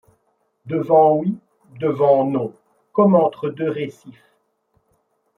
Devant oui, devant non, comme entre deux récifs